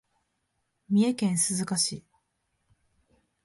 三重県鈴鹿市